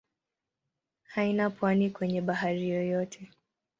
Haina pwani kwenye bahari yoyote.